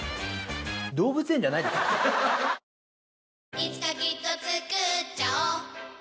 いつかきっとつくっちゃおう